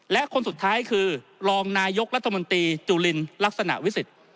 และคนสุดท้ายคือรองนายกรัฐมนตรีจุลินลักษณะวิสิทธิ์